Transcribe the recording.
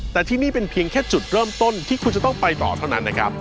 แต่ที่นี่เป็นเพียงแค่จุดเริ่มต้นที่คุณจะต้องไปต่อเท่านั้นนะครับ